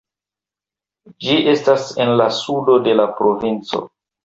Ĝi estas en la sudo de la provinco.